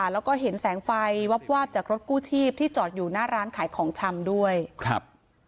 แล้วก็เห็นแสงไฟวับวาบจากรถกู้ชีพที่จอดอยู่หน้าร้านขายของชำด้วยครับ